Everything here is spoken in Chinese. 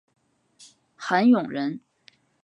韩永人。